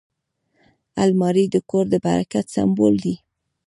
الماري د کور د برکت سمبول دی